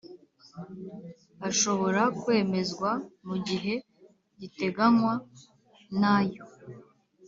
ashobora kwemezwa mu gihe giteganywa n ayo